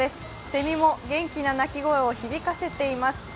せみも元気な鳴き声を響かせています。